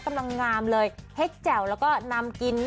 เขาพูดจริงนะกัน